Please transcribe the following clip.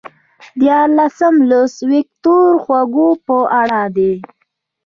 دیارلسم لوست ویکتور هوګو په اړه دی.